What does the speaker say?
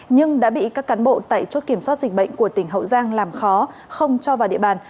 nhưng đã bị các cán bộ tại chốt kiểm soát dịch bệnh của tỉnh hậu giang làm khó không cho vào địa bàn